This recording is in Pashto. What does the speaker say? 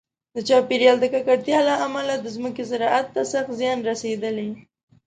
د چاپیریال د ککړتیا له امله د ځمکې زراعت ته سخت زیان رسېدلی.